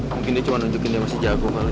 mungkin dia cuma nunjukin dia masih jago kali